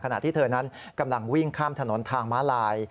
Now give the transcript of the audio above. ขณะที่เธอนั้นกำลังวิ่งข้ามถนนทางม้าลาย